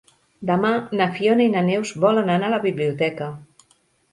Demà na Fiona i na Neus volen anar a la biblioteca.